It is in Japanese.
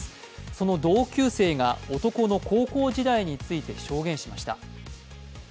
その同級生が男の高校時代について証言しました。